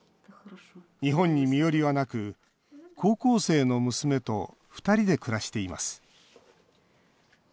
日本に身寄りはなく高校生の娘と２人で暮らしています